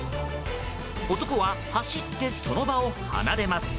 男は走ってその場を離れます。